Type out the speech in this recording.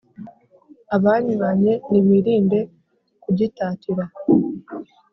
Abanywanye nibirinde kugitatira